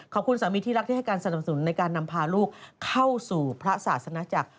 สามีที่รักที่ให้การสนับสนุนในการนำพาลูกเข้าสู่พระศาสนจักร